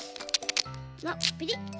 おっピリッ。